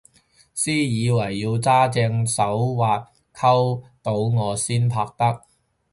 私以為要揸正手續溝到我先拍得